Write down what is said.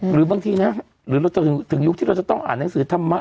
หรือบางทีนะหรือเราจะถึงยุคที่เราจะต้องอ่านหนังสือธรรมะ